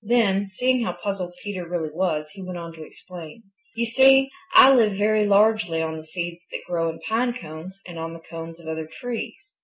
Then, seeing how puzzled Peter really was, he went on to explain. "You see, I live very largely on the seeds that grow in pine cones and the cones of other trees.